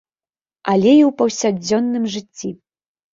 Але і ў паўсядзённым жыцці.